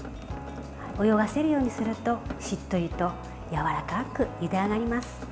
泳がせるようにするとしっとりとやわらかくゆで上がります。